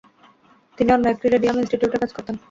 তিনি অন্য একটি রেডিয়াম ইনস্টিটিউটে কাজ করতেন।